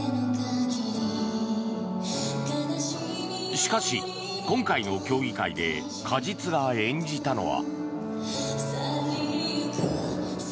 しかし今回の競技会で鹿実が演じたのは。